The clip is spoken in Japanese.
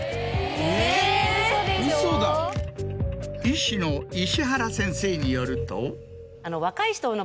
医師の石原先生によると。